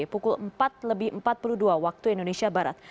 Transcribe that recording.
pukul empat lebih empat puluh dua waktu indonesia barat